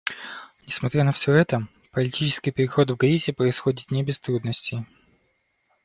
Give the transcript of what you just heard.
Несмотря на все это, политический переход в Гаити происходит не без трудностей.